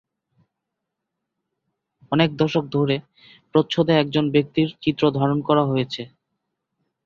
অনেক দশক ধরে প্রচ্ছদে একজন ব্যক্তির চিত্রধারণ করা হয়েছে।